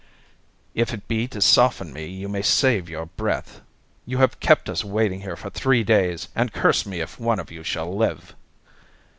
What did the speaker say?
"If it be to soften me, you may save your breath. You have kept us waiting here for three days, and curse me if one of you shall live!"